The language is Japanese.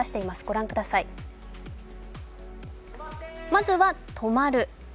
まずは、止まる。